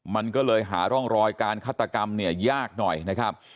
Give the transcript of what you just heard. มันก็เลยหาร่องรอยการฆาตกรรมเนี่ยยากหน่อยนะครับ